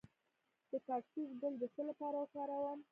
د کاکتوس ګل د څه لپاره وکاروم؟